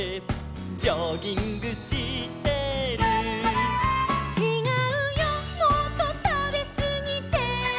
「ジョギングしてる」「ちがうよもっとたべすぎて」